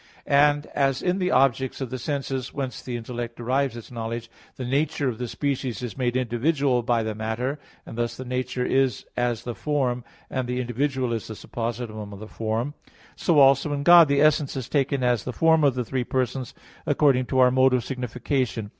And as in the objects of the senses, whence the intellect derives its knowledge, the nature of the species is made individual by the matter, and thus the nature is as the form, and the individual is the suppositum of the form; so also in God the essence is taken as the form of the three persons, according to our mode of signification.